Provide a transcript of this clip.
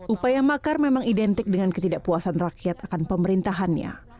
upaya makar memang identik dengan ketidakpuasan rakyat akan pemerintahannya